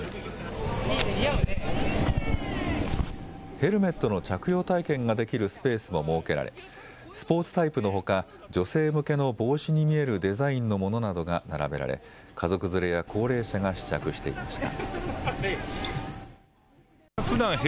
ヘルメットの着用体験ができるスペースも設けられスポーツタイプのほか女性向けの帽子に見えるデザインのものなどが並べられ家族連れや高齢者が試着していました。